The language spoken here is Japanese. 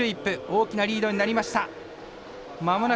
大きなリードになりました。